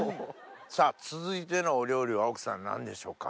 さぁ続いてのお料理は奥さん何でしょうか？